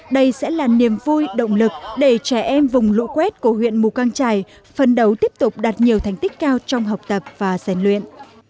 đây sẽ là niềm vui động lực để trẻ em vùng lũ quét của huyện mù căng trải phân đấu tiếp tục đạt nhiều thành tích cao trong học tập và sàn luyện